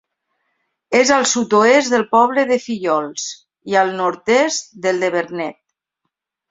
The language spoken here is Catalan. És al sud-oest del poble de Fillols i al nord-est del de Vernet.